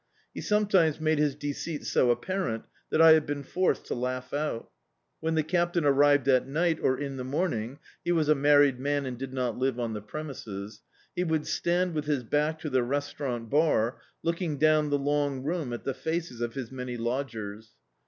He sometimes made his deceit so apparent that I have been forced to lau^ ouL When the Captain arrived at night, or in the morning — ^he was a mar* ried man and did not live on the premises — he would stand with his back to the restaurant bar, looking down the long room at the faces of his many lodgers.